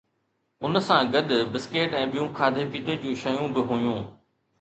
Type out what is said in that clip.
ان سان گڏ بسڪيٽ ۽ ٻيون کاڌي پيتي جون شيون به هيون